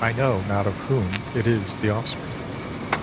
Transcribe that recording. I know not of whom it is the offspring.